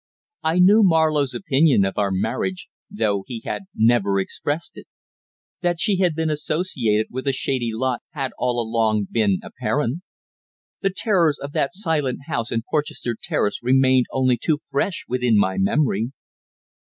I knew Marlowe's opinion of our marriage, though he had never expressed it. That she had been associated with a shady lot had all along been apparent. The terrors of that silent house in Porchester Terrace remained only too fresh within my memory.